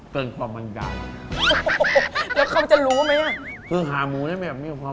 เกินความมันจาก